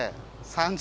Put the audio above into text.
３０。